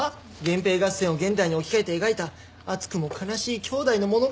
源平合戦を現代に置き換えて描いた熱くも悲しい兄弟の物語です。